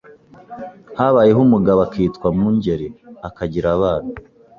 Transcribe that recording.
Habayeho umugabo akitwa Mwungeli, akagira abana